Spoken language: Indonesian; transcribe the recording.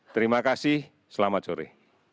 terima kasih selamat sore